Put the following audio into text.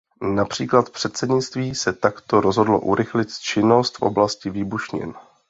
Například předsednictví se takto rozhodlo urychlit činnost v oblasti výbušnin.